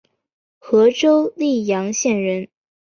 和州历阳县人。